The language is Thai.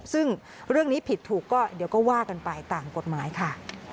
ซึ่งเรื่องนี้ผิดถูกก็เดี๋ยวก็ว่ากันไปตามกฎหมายค่ะ